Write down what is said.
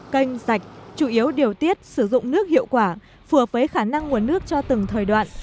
kênh sạch chủ yếu điều tiết sử dụng nước hiệu quả phù hợp với khả năng nguồn nước cho từng thời đoạn